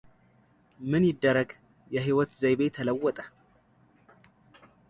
ምን ይደረግ የሕይወት ዘይቤ ተለወጠ።